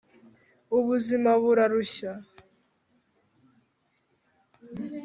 ubuzima burarushya